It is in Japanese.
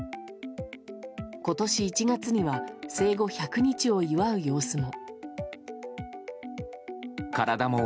今年１月には生後１００日を祝う様子も。